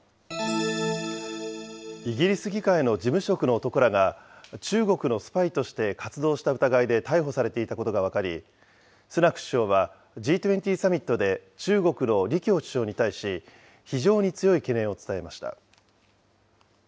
イギリス議会の事務職の男らが、中国のスパイとして活動した疑いで逮捕されていたことが分かり、スナク首相はＧ２０サミットで中国の李強首相に対し、非常に強い懸念を伝えました。